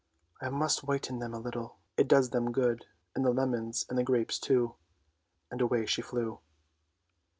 " I must whiten them a little; it does them good, and the lemons and the grapes too! " And away she flew.